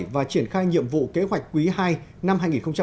và triển khai nhiệm vụ kế hoạch quý ii năm hai nghìn một mươi bảy